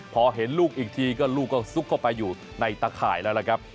พอเห็นลูกอีกทีก็ลูกก็ซุกเข้าไปอยู่ในตะข่ายแล้วล่ะครับ